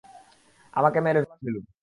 আমাকে মেরে ফেলুন।